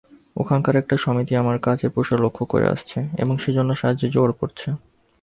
ওখানকার একটা সমিতি আমার কাজের প্রসার লক্ষ্য করে আসছে এবং সেজন্য সাহায্যের যোগাড় করছে।